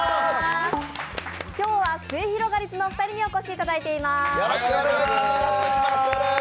今日はすゑひろがりずのお二人にお越しいただいています。